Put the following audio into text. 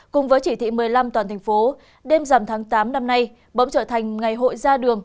cùng với chỉ thị một mươi năm toàn thành phố đêm giảm tháng tám năm nay bỗng trở thành ngày hội ra đường